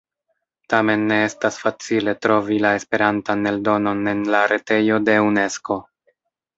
Tamen ne estas facile trovi la Esperantan eldonon en la retejo de Unesko.